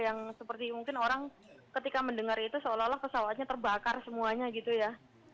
yang seperti mungkin orang ketika mendengar itu seolah olah pesawatnya terbakar semuanya gitu ya